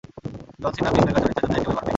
John Cena peacemaker চরিত্রের জন্য একেবারে পারফেক্ট।